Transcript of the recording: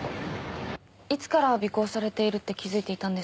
いつから尾行されているって気づいていたんですか？